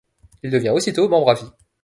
Il devient aussitôt membre à vie.